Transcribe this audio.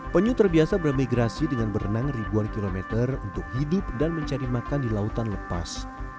penyu terbiasa bermigrasi dengan berenang ribuan kilometer untuk hidup dan mencari makan di lautan lepas